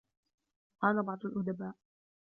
وَقَالَ بَعْضُ الْأُدَبَاءُ